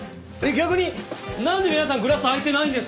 逆になんで皆さんグラス空いてないんですか？